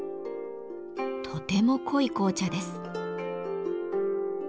とても濃い紅茶です。